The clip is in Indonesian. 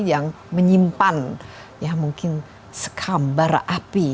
yang menyimpan ya mungkin sekambar api